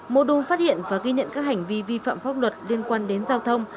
mô đun phát hiện và ghi nhận các hành vi vi phạm pháp luật liên quan đến giao thông